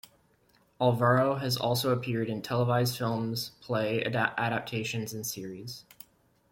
Alvaro has also appeared in televised films, play adaptations, and series.